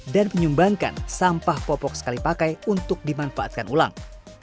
dan menyumbangkan sampah popok sekali pakai untuk dimanfaatkan ulang